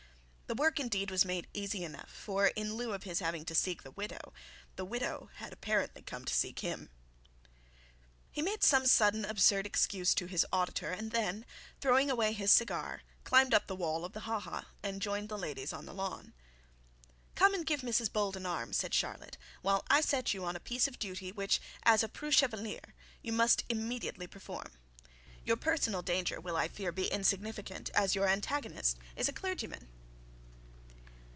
The work indeed was made easy enough; for in lieu of his having to seek the widow, the widow had apparently come to seek him. He made some sudden absurd excuse to his auditor, and then throwing away his cigar, climbed up the wall of the ha ha and joined the ladies on the lawn. 'Come and give Mrs Bold your arm,' said Charlotte, 'while I set you on a piece of duty which, as a preux chevalier, you must immediately perform. Your personal danger will, I fear, be insignificant, as your antagonist is a clergyman.'